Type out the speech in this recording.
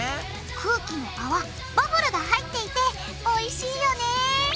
空気のあわバブルが入っていておいしいよね！